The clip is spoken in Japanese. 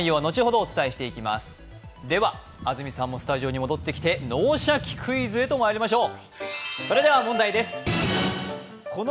安住さんもスタジオに戻ってきて「脳シャキ！クイズ」とまいりましょう。